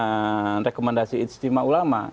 dengan rekomendasi istimewa ulama